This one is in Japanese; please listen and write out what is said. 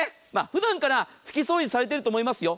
普段から拭き掃除されていると思いますよ。